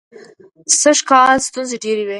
سږکال ستونزې ډېرې وې.